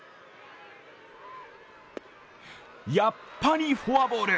やっぱりフォアボール。